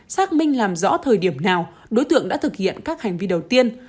xác minh làm rõ thời điểm nào đối tượng đã thực hiện các hành vi đầu tiên